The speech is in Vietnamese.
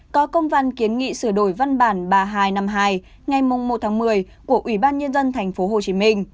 có công văn kiến nghị sửa đổi văn bản ba nghìn hai trăm năm mươi hai ngày một tháng một mươi của ủy ban nhân dân tp hcm